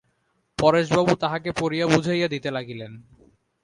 পরেশবাবু তাহাকে পড়িয়া বুঝাইয়া দিতে লাগিলেন।